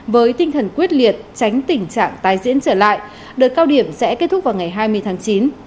với tinh thần quyết liệt tránh tình trạng tái diễn trở lại đợt cao điểm sẽ kết thúc vào ngày hai mươi tháng chín